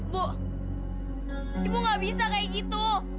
bu ibu gak bisa kayak gitu